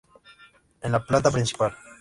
En la planta principal.